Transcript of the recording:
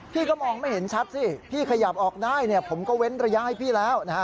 พี่ก็มองไม่เห็นชัดสิพี่ขยับออกได้เนี่ยผมก็เว้นระยะให้พี่แล้วนะฮะ